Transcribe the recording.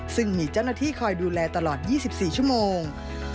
ซึ่งมีเจ้าหน้าที่คอยดูแลตลอด๒๔ชั่วโมง